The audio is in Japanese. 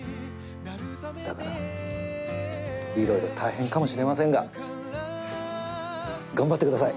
だから色々大変かもしれませんが頑張ってください。